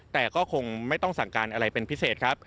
แต่ก็คงไม่ต้องสั่งการอะไรเป็นพิเศษครับ